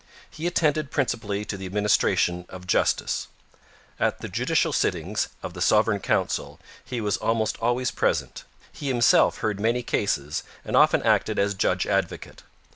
He attended principally to the administration of justice. At the judicial sittings of the Sovereign Council he was almost always present; he himself heard many cases, and often acted as judge advocate.